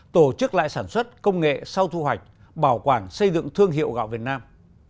tổ chức lại sản xuất công nghệ sau thu hoạch bảo quản xây dựng thương hiệu gạo việt nam